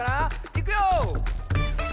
いくよ！